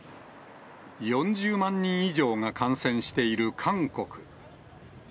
４０万人以上が感染している韓国。